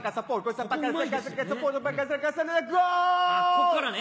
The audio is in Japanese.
こっからね。